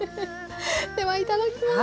ではいただきます。